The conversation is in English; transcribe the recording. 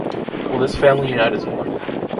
Will this family unite as one?